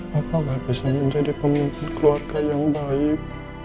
bapak gak bisa menjadi pemimpin keluarga yang baik